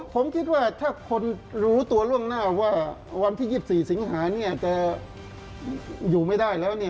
ผมคิดว่าถ้าคนรู้ตัวล่วงหน้าว่าวันที่๒๔สิงหาจะอยู่ไม่ได้แล้ว